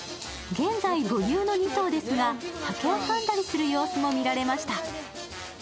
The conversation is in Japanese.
現在、母乳の２頭ですが、竹をかんだりする様子も見られました。